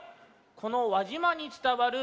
この輪島につたわる